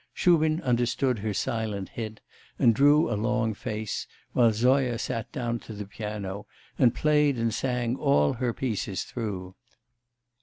Shubin understood her silent hint, and drew a long face, while Zoya sat down to the piano, and played and sang all her pieces through.